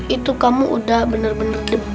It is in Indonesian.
itu kamu udah bener bener berhati hati dengan allah